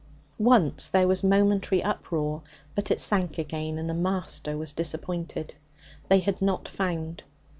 Once there was momentary uproar, but it sank again, and the Master was disappointed. They had not found.